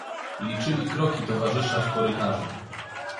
"Liczyli kroki towarzysza w korytarzu."